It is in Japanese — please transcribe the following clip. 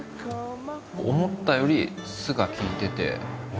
思ったより酢が効いてておいしい。